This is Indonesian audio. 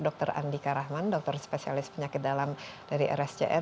dr andika rahman dokter spesialis penyakit dalam dari rsjr